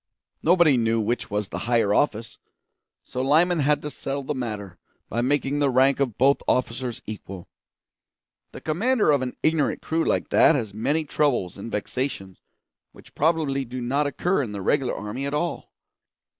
Nobody knew which was the higher office; so Lyman had to settle the matter by making the rank of both officers equal. The commander of an ignorant crew like that has many troubles and vexations which probably do not occur in the regular army at all.